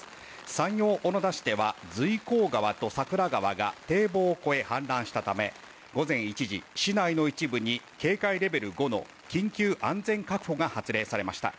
山陽小野田市では随光川と桜川が堤防を越え、氾濫したため午前１時、市内の一部に警戒レベル５の緊急安全確保が発令されました。